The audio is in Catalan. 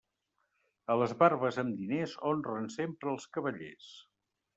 A les barbes amb diners honren sempre els cavallers.